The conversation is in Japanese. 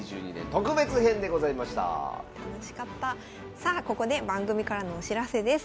さあここで番組からのお知らせです。